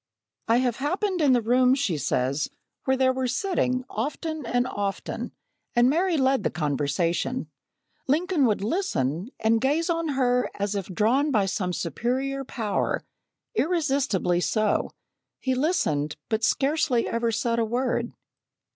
"I have happened in the room," she says, "where they were sitting, often and often, and Mary led the conversation. Lincoln would listen, and gaze on her as if drawn by some superior power irresistibly so; he listened, but scarcely ever said a word."